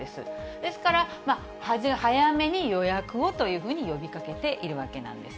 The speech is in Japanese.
ですから、早めに予約をというふうに呼びかけているわけなんです。